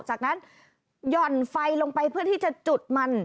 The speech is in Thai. จากนั้นหย่อนไฟลงไปเพื่อที่จะจุดมัน